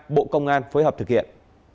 bộ công an phối hợp thực hiện